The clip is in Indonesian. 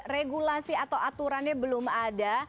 regulasi atau aturannya belum ada